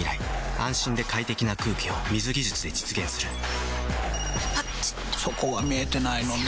安心で快適な空気を水技術で実現するピピピッあっちょそこは見えてないのね。